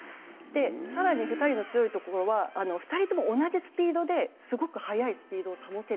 更に２人の強いところは２人とも同じスピードですごく速いスピードを保てる。